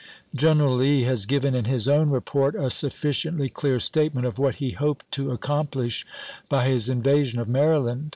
General Lee has given in his own report a suf ficiently clear statement of what he hoped to ac complish by his invasion of Maryland.